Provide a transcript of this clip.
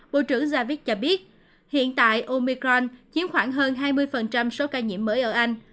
bộ trưởng javik cho biết hiện tại omicron chiếm khoảng hơn hai mươi số ca nhiễm mới ở anh